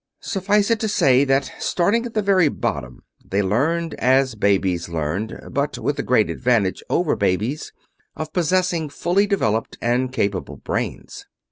Suffice it to say that starting at the very bottom they learned as babies learn, but with the great advantage over babies of possessing fully developed and capable brains.